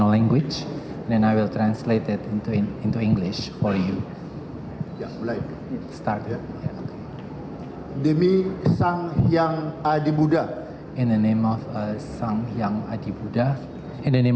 akan memberikan keterangan